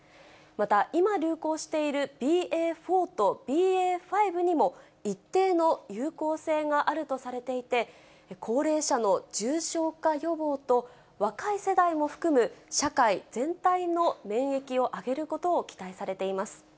また、今、流行しているＢＡ．４とＢＡ．５にも、一定の有効性があるとされていて、高齢者の重症化予防と、若い世代も含む社会全体の免疫を上げることを期待されています。